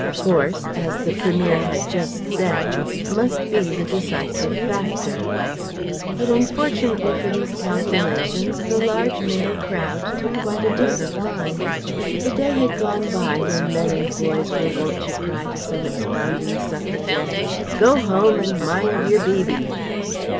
Force, as the Premier had just said, must be the decisive factor. But unfortunately for these calculations the large male crowd took quite a different line. The day had gone by when men and boys were wont to cry to some expounding Suffragette: "Go home and mind yer biby."